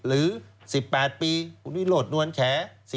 หรือ๑๘ปีคุณวิโรธนวลแข